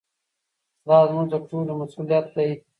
دا زموږ د ټولو مسؤلیت دی.